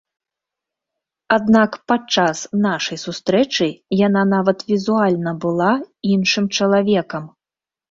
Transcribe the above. Аднак падчас нашай сустрэчы яна нават візуальна была іншым чалавекам!